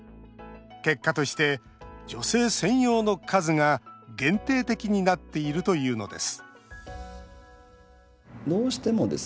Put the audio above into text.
結果として女性専用の数が限定的になっているというのです